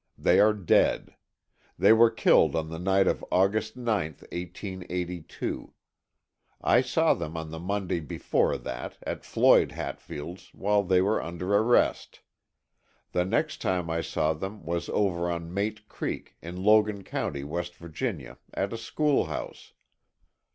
They are dead. They were killed on the night of August 9th, 1882. I saw them on the Monday before that, at Floyd Hatfield's, while they were under arrest. The next time I saw them was over on Mate Creek, in Logan County, West Virginia, at a schoolhouse.